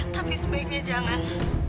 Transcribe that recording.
tapi sebaiknya jangan